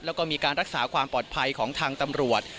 แล้วก็มีการรักษาความปลอดภัยของทางตำรวจ